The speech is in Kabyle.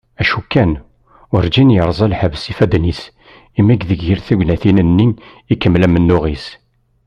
Acu kan, urǧin yerẓa lḥebs ifadden-is imi deg yir tignatin-nni ikemmel amennuɣ-is.